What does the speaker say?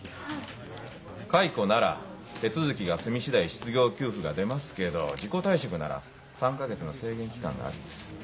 解雇なら手続きが済み次第失業給付が出ますけど自己退職なら３か月の制限期間があるんです。